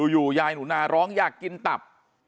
อยู่ยายหนูนาร้องอยากกินตับ